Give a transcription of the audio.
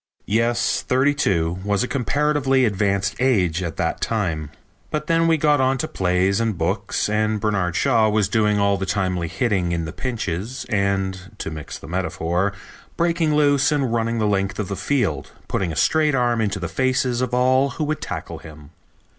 Yes, thirty two was a comparatively advanced age at that time. But then we got on to plays and books, and Bernard Shaw was doing all the timely hitting in the pinches, and, to mix the metaphor, breaking loose and running the length of the field, putting a straight arm into the faces of all who would tackle him.